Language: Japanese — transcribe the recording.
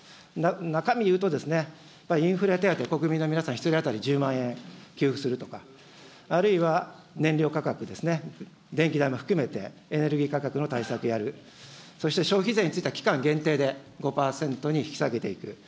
中身言うとですね、インフレ手当、国民の皆さん１人当たり１０万円給付するとか、あるいは燃料価格ですね、電気代も含めて、エネルギー価格の対策やる、そして消費税については期間限定で５％に引き下げていく。